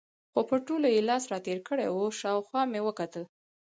خو پر ټولو یې لاس را تېر کړی و، شاوخوا مې وکتل.